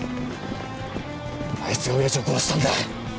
あいつがおやじを殺したんだ。